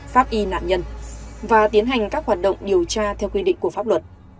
pháp y nạn nhân và tiến hành các hoạt động điều tra theo quy định của pháp luật